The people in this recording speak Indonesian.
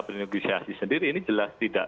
bernegosiasi sendiri ini jelas tidak